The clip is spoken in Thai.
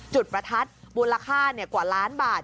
จุดประทัดมูลค่ากว่าล้านบาท